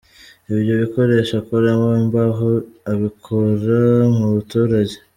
Ibyo bikoresho akoramo imbaho abikura mu baturage.